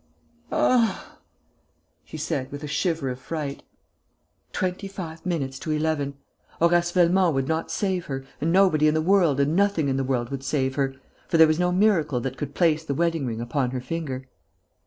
"Ah!" she said, with a shiver of fright. Twenty five minutes to eleven! Horace Velmont would not save her and nobody in the world and nothing in the world would save her, for there was no miracle that could place the wedding ring upon her finger.